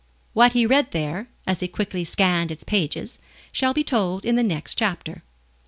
What he read there, as he quickly scanned its pages, shall be told in the next chapter.